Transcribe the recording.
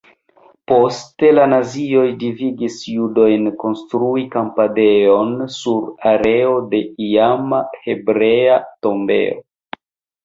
Poste la nazioj devigis judojn konstrui kampadejon sur areo de iama hebrea tombejo.